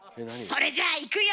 それじゃあいくよ。